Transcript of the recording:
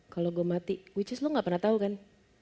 kalau gue mati which is lo gak pernah tahu kan